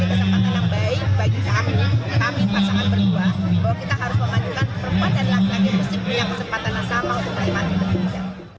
ini kesempatan yang baik bagi kami kami pasangan berdua bahwa kita harus memajukan perempuan dan laki laki yang mesti punya kesempatan yang sama untuk menikmati indonesia